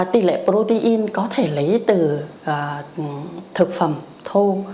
tỷ lệ protein có thể lấy từ thực phẩm thô